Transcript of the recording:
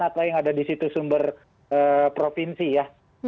ada data yang ada di situs sumber provinsi ya